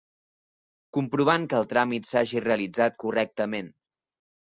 Comprovant que el tràmit s'hagi realitzat correctament.